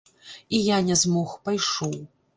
І я не змог, пайшоў.